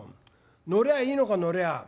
乗りゃいいのか乗りゃ。